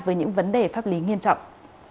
với những vấn đề pháp lý nghiêm trọng